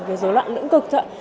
về giới lận lưỡi cực